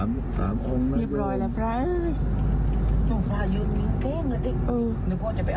นึกว่าจะไปเออตัมรวบมาเนี่ยเลย